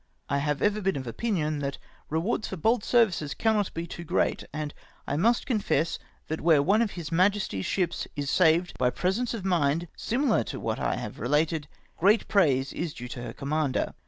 *" I have ever been of opinion that rewards for bold ser vices cannot be too great, and I must confess, that where one of his Majesty's ships is saved by presence of mind similar to what I have related, great praise is due to her commander.